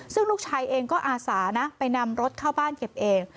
ซึ่งลูกชายเองก็อาสานะไปนำรถเข้าบ้านเก็บเอง